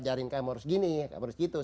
ajarin kamu harus begini kamu harus gitu